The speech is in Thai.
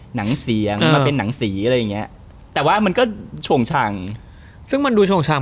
หนังเสียงมันเป็นหนังสีอะไรอย่างเงี้ยแต่ว่ามันก็โช่งฉังซึ่งมันดูโช่งฉ่ำ